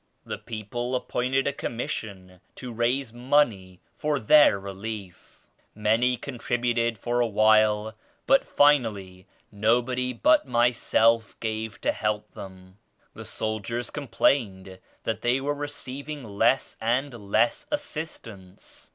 The people appointed a Commis sion to raise money for their relief. Many contributed for a while but finally nobody but myself gave to help them. The soldiers com plained that they were receiving less and less assistance.